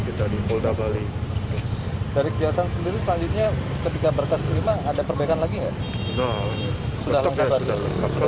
dari polda bali dari kejahatan sendiri selanjutnya ketika berkas terima ada perbaikan lagi nggak